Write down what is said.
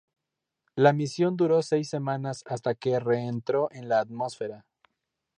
La misión duró seis semanas hasta que reentró en la atmósfera.